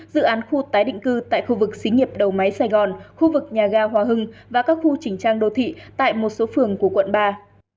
dự án khu tái định cư tại khu vực xí nghiệp đầu máy sài gòn khu vực nhà ga hòa hưng và các khu chỉnh trang đô thị tại một số phường của quận ba